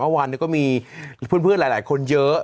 เมื่อวานก็มีเพื่อนหลายคนเยอะ